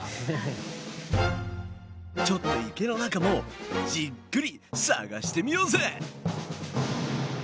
ちょっと池の中もじっくり探してみようぜ！